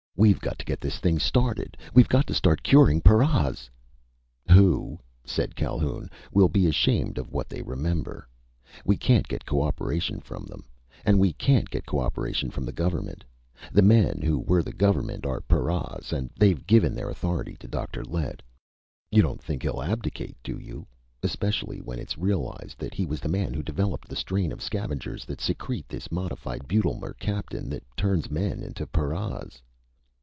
"We've got to get this thing started! We've got to start curing paras " "Who," said Calhoun, "will be ashamed of what they remember. We can't get co operation form them! And we can't get co operation from the government! The men who were the government are paras and they've given their authority to Dr. Lett. You don't think he'll abdicate, do you? Especially when it's realized that he was the man who developed the strain of scavengers that secrete this modified butyl mercaptan that turns men into paras!"